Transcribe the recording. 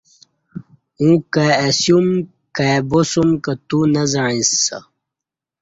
اوں کای اسیوم کای بوسم کہ تو نہ زعیݩسہ